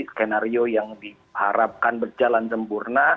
skenario yang diharapkan berjalan sempurna